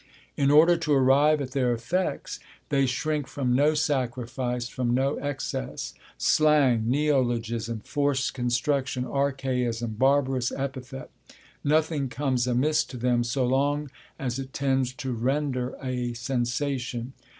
In order to arrive at their effects, they shrink from no sacrifice, from no excess; slang, neologism, forced construction, archaism, barbarous epithet, nothing comes amiss to them, so long as it tends to render a sensation.